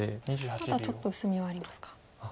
まだちょっと薄みはありますか。